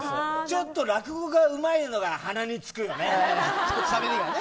落語がうまいのが鼻につくよね。